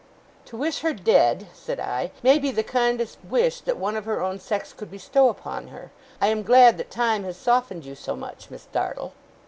'To wish her dead,' said I, 'may be the kindest wish that one of her own sex could bestow upon her. I am glad that time has softened you so much, Miss Dartle.